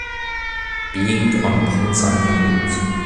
Being on pins and needles.